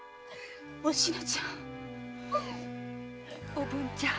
おぶんちゃん。